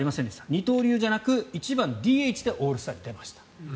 二刀流じゃなくて１番ＤＨでオールスターに出ました。